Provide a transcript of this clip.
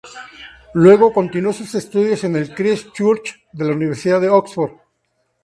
Luego continuó sus estudios en el Christ Church de la Universidad de Oxford.